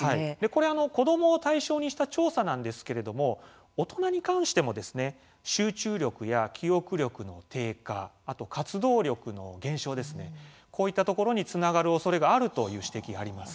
これは子どもを対象にした調査なんですけれども大人に関しても集中力や記憶力の低下、あと活動力の減少ですねこういったところにつながるおそれがあるという指摘があります。